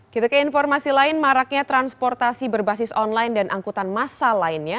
kita ke informasi lain maraknya transportasi berbasis online dan angkutan massa lainnya